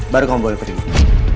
baru kamu boleh berhenti